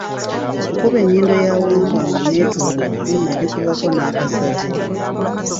N'akuba ennyindo ya Wambwa nga nettolovu n'agikubako n'akasaze.